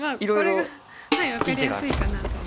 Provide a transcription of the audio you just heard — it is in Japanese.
これが分かりやすいかなという。